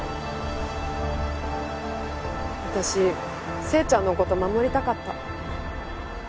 私正ちゃんの事守りたかった。